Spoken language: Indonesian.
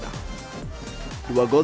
dua gol tim jawa barat menang